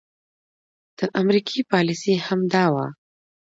د امريکې پاليسي هم دا وه